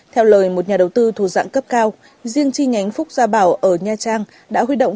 theo lời một nhà đầu tư thu dạng cấp cao riêng chi nhánh phúc gia bảo ở nha trang đã huy động